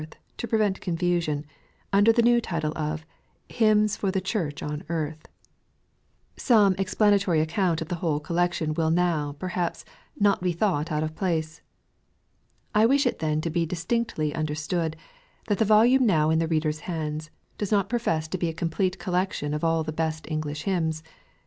'&^ii^'OQA Ameiicao pablieber to reproduce the preaeii^ "^oVoh^^* 4 PRE FA CE, § Some explanatory account of the whole collection will now, perhaps, not be thought out of place. I wisli it then to be distinctly understood, that the volume now in the reader^s hands, does not profess to be a complete collection of all the best English hymns.